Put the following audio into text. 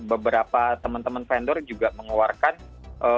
beberapa teman teman vendor juga mengeluarkan device yang di range harga tersebut